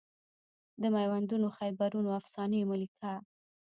د میوندونو خیبرونو افسانې مه لیکه